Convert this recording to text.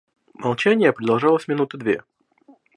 Молчание продолжалось минуты две.